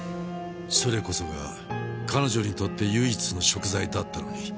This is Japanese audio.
それこそが彼女にとって唯一の贖罪だったのに。